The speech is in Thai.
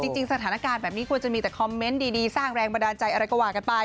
จริงสถานการณ์แบบนี้ควรจะมีแต่คอมเมนต์ดีสร้างแรงบันดาลใจอะไรก็ว่ากันไป